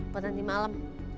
buat nanti malam